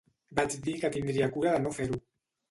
Vaig dir que tindria cura de no fer-ho.